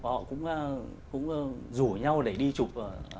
họ cũng rủ nhau để đi chụp